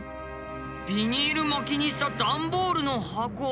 ビニール巻きにした段ボールの箱。